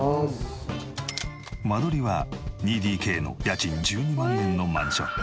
間取りは２ＤＫの家賃１２万円のマンション。